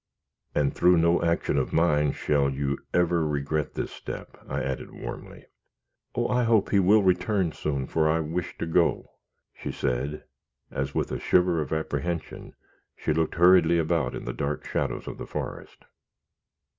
"And through no action of mine shall you ever regret this step," I added, warmly. "Oh! I hope he will soon return, for I wish to go," she said, as with a shiver of apprehension she looked hurriedly about in the dark shadows of the forest.